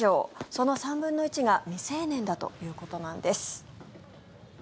その３分の１が未成年だということなんです。